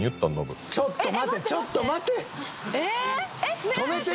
ちょっと待てちょっと待て！